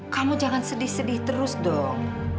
kamu jangan sedih sedih terus dong